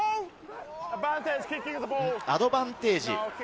アドバンテージ。